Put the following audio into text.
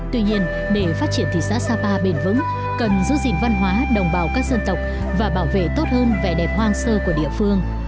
tuy nhiên để phát triển thị xã sapa bền vững cần giữ gìn văn hóa đồng bào các dân tộc và bảo vệ tốt hơn vẻ đẹp hoang sơ của địa phương